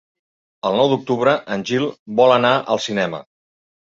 El nou d'octubre en Gil vol anar al cinema.